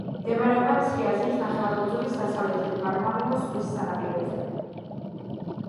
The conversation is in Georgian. მდებარეობდა მცირე აზიის ნახევარკუნძულის დასავლეთით, მარმარილოს ზღვის სანაპიროზე.